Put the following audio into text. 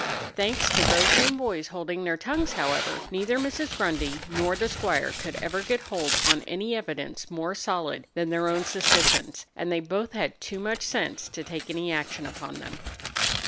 Thanks to those same boys holding their tongues, however, neither Mrs. Grundy nor the squire could ever get hold on any evidence more solid than their own suspicions, and they both had too much sense to take any action upon them.